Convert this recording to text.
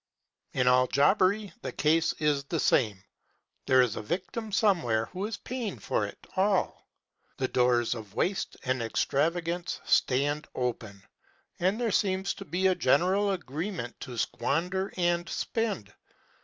In all jobbery the case is the same. There is a victim somewhere who is paying for it all. The doors of waste and extravagance stand open, and there seems to be a general agreement to squander and spend.